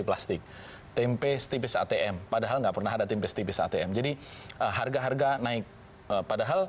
plastik tempe setipis atm padahal nggak pernah ada tempe setipis atm jadi harga harga naik padahal